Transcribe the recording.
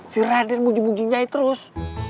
si raden bunyi bunyi nyai terus